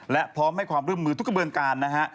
และพร้อมให้ความร่วมมือทุกกระบวนการนะฮะ